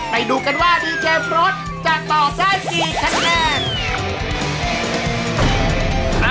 ไปดูกันว่าดีเจรสจะตอบได้กี่คะแนน